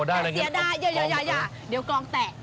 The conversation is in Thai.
อ๋อได้ครับกลองบอกแล้วนะครับโอเคเสียดายเดี๋ยวกลองแตะ